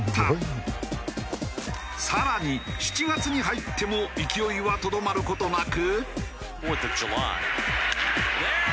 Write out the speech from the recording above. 更に７月に入っても勢いはとどまる事なく。